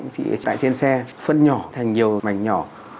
tại trên xe phân nhỏ thành nhiều mảnh nhỏ